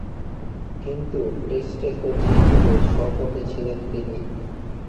কিন্তু, টেস্টে কোচ হিসেবে স্ব-পদে ছিলেন তিনি।